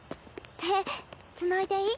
手つないでいい？